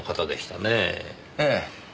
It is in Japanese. ええ。